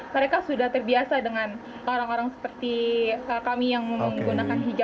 mereka sudah terbiasa dengan orang orang seperti kami yang menggunakan hijab